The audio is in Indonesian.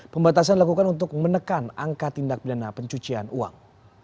pembatasan dilakukan untuk menekan angka tindak pidana pencucian uang